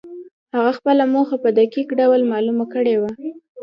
هغه خپله موخه په دقيق ډول معلومه کړې وه.